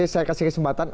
saya kasih kesempatan